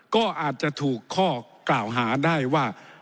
ก็อาจจะถูกข้อกล่าวหาได้ว่า